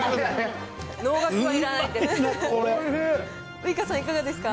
ウイカさん、いかがですか。